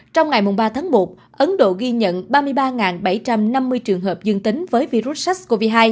trong ngày ba tháng một ấn độ ghi nhận ba mươi ba bảy trăm năm mươi trường hợp dương tính với virus sars cov hai